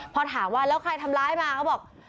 พอถามว่าแล้วใครทำร้ายมาเขาบอก